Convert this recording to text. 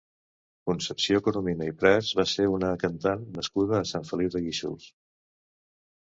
Concepció Corominas i Prats va ser una cantant nascuda a Sant Feliu de Guíxols.